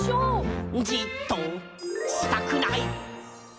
「じっとしたくない！」